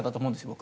僕。